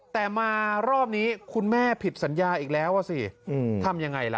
แต่มารอบนี้คุณแม่ผิดสัญญาอีกแล้วอ่ะสิทำยังไงล่ะ